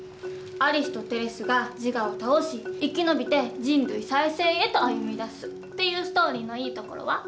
アリスとテレスがジガを倒し生き延びて人類再生へと歩みだすっていうストーリーのいいところは？